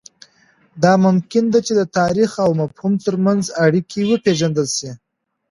دا ممکنه ده چې د تاریخ او مفهوم ترمنځ اړیکه وپېژندل سي.